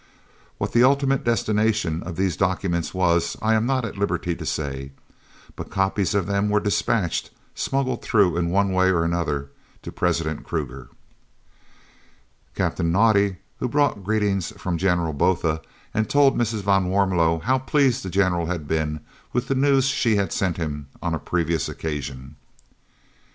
What the ultimate destination of these documents was I am not at liberty to say, but copies of them were despatched, smuggled through in one way or another to President Kruger. Captain Naudé also brought greetings from General Botha and told Mrs. van Warmelo how pleased the General had been with the news she had sent him on a previous occasion.